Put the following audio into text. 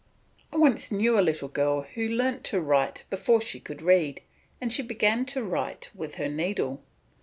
I once knew a little girl who learnt to write before she could read, and she began to write with her needle.